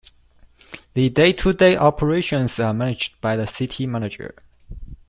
The day-to-day operations are managed by the city manager.